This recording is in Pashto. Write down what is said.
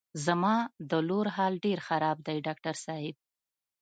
زما د لور حال ډېر خراب دی ډاکټر صاحب.